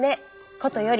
ことより」。